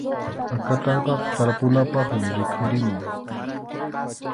Akatanqaqa tarpunapaqmi rikhurimun.